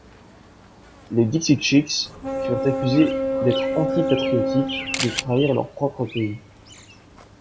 Les Dixie Chicks furent accusées d'être antipatriotiques, de trahir leur propre pays.